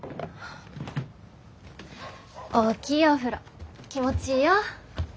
大きいお風呂気持ちいいよ。